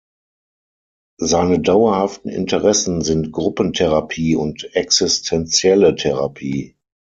Seine dauerhaften Interessen sind Gruppentherapie und existentielle Therapie.